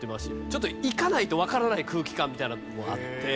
ちょっと行かないとわからない空気感みたいなのもあって。